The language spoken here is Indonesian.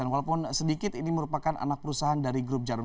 walaupun sedikit ini merupakan anak perusahaan dari grup jarum